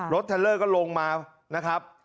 เทลเลอร์ก็ลงมานะครับ